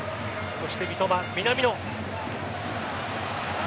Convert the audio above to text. そして三笘、南野。